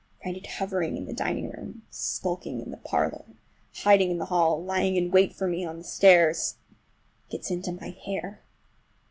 I find it hovering in the dining room, skulking in the parlor, hiding in the hall, lying in wait for me on the stairs. It gets into my hair.